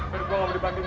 fir gue mau dibanting fir